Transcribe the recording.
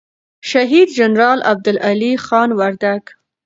شهید جنرال عبدالعلي خان وردگ